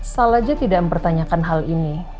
salah saja tidak mempertanyakan hal ini